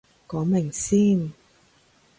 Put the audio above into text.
講明先